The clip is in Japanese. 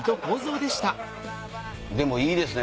でもいいですね